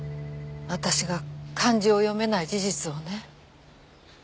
私が漢字を読めない事実をね。